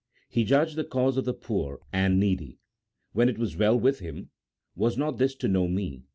He judged the cause of the poor and needy ; then it was well with him : was not this to know Me